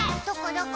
どこ？